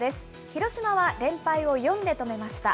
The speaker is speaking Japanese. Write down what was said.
広島は連敗を４で止めました。